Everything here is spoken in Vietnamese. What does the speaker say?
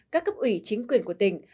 các cấp ủy chính quyền của tỉnh